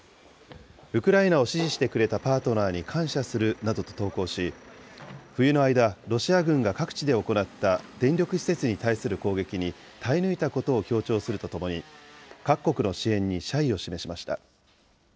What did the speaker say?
ウクライナを支持してくれたパートナーに感謝するなどと投稿し、冬の間、ロシア軍が各地で行った電力施設に対する攻撃に耐え抜いたことを強調するとともに、各国の支援に謝意を示しました。